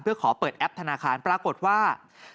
เพื่อขอเปิดแอปธนาคารปรากฏว่า